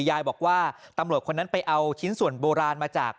ยายบอกว่าตำรวจคนนั้นไปเอาชิ้นส่วนโบราณมาจาก